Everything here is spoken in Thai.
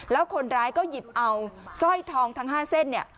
แล้วคนร้ายก็หยิบเอาสร้อยทองทั้ง๕เส้นเนี่ย